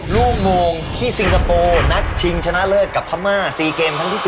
ลูกโมงที่สิงคโปร์นัดชิงชนะเลิศกับพม่า๔เกมครั้งที่๔